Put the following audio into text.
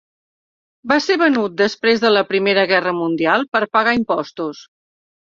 Va ser venut després de la primera Guerra Mundial per pagar impostos.